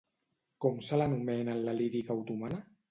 Com se l'anomena en la lírica otomana?